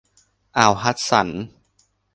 อ่าวฮัดสัน